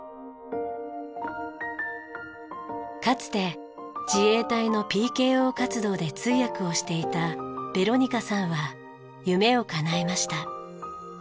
かつて自衛隊のＰＫＯ活動で通訳をしていたヴェロニカさんは夢をかなえました。